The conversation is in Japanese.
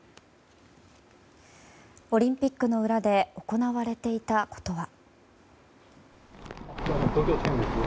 オリンピックの裏で行われていたことは。